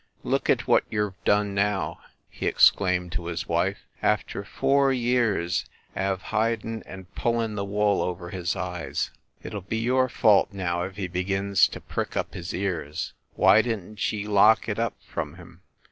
"Look at that what s ye ve done now!" he ex claimed to his wife. "After four years av hidin and pullin the wool over his eyes ! It ll be your fault now if he begins to prick up his ears. Why didn t ye lock it up from him